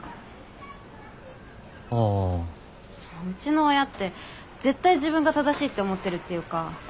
うちの親って絶対自分が正しいって思ってるっていうか。